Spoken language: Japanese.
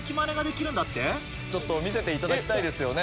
見せていただきたいですよね。